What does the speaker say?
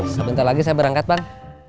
sebentar lagi saya berangkat bang